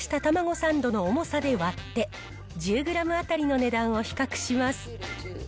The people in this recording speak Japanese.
サンドの重さで割って、１０グラム当たりの値段を比較します。